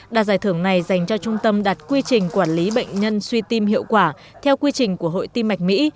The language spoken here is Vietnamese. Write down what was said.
đạt giải thưởng này dành cho trung tâm đạt quy trình quản lý bệnh nhân suy tim hiệu quả theo quy trình của hội tim mạch mỹ